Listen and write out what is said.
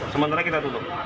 sementara kita tutup